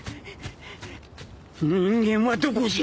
人間はどこじゃ